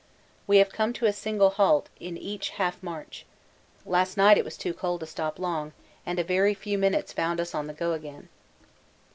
We have come to a single halt in each half march. Last night it was too cold to stop long and a very few minutes found us on the go again.